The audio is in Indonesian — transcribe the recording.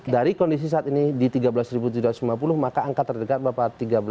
dari kondisi saat ini di tiga belas tujuh ratus lima puluh maka angka terdekat bapak tiga belas